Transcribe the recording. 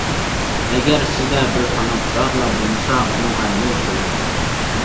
ئەگەر سىزدە بىر تالانت زادىلا بولمىسا ئۇنىڭغا نۆل قويۇڭ.